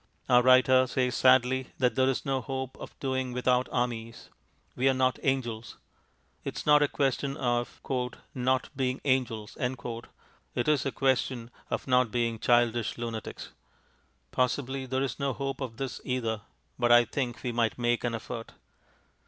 Our writer says sadly that there is no hope of doing without armies we are not angels. It is not a question of "not being angels," it is a question of not being childish lunatics. Possibly there is no hope of this either, but I think we might make an effort.